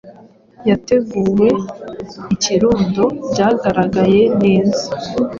Yateguwe ikirundo byagaragaye neza